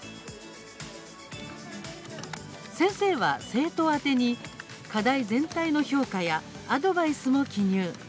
先生は、生徒宛てに課題全体の評価やアドバイスも記入。